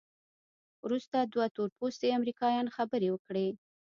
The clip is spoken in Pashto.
وروسته دوه تورپوستي امریکایان خبرې وکړې.